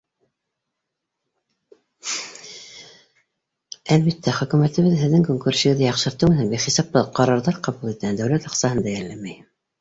Әлбиттә, Хөкүмәтебеҙ һеҙҙең көнкүрешегеҙҙе яҡшыртыу менән бихисап ҡарарҙар ҡабул итә, дәүләт аҡсаһын да йәлләмәй.